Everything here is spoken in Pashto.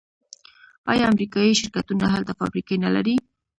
آیا امریکایی شرکتونه هلته فابریکې نلري؟